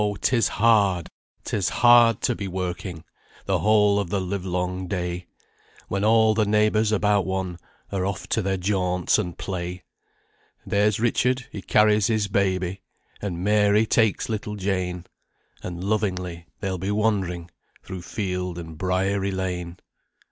'tis hard, 'tis hard to be working The whole of the live long day, When all the neighbours about one Are off to their jaunts and play. There's Richard he carries his baby, And Mary takes little Jane, And lovingly they'll be wandering Through field and briery lane.